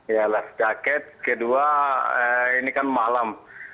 ya life jacket kedua ini kan malam